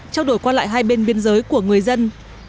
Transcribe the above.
trao đổi qua lại hai bên biên giới của người dân